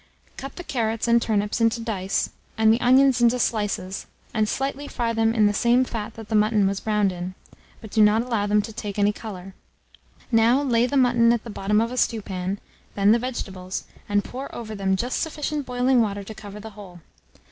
Cut the carrots and turnips into dice, and the onions into slices, and slightly fry them in the same fat that the mutton was browned in, but do not allow them to take any colour. Now lay the mutton at the bottom of a stewpan, then the vegetables, and pour over them just sufficient boiling water to cover the whole.